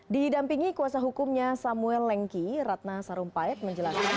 didampingi kuasa hukumnya samuel lengki ratna sarumpait menjelaskan